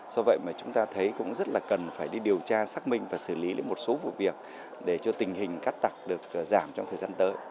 do vậy mà chúng ta thấy cũng rất là cần phải đi điều tra xác minh và xử lý đến một số vụ việc để cho tình hình cắt tặc được giảm trong thời gian tới